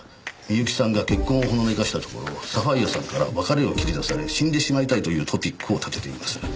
美由紀さんが結婚をほのめかしたところサファイアさんから別れを切り出され死んでしまいたいというトピックを立てています。